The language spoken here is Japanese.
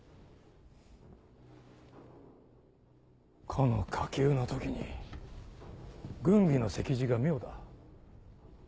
この火急の時に軍議の席次が妙だ。